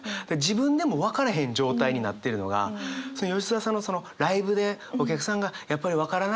自分でも分からへん状態になってるのが吉澤さんのそのライブでお客さんがやっぱり分からなかったって